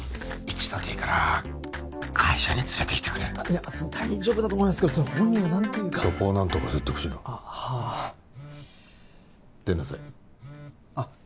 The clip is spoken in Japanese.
一度でいいから会社に連れてきてくれ大丈夫だと思いますけど本人が何て言うかそこを何とか説得しろあっはあ出なさいあっ